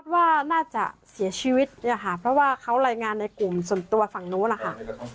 ว่าน่าจะเสียชีวิตเนี่ยค่ะเพราะว่าเขารายงานในกลุ่มส่วนตัวฝั่งนู้นล่ะค่ะ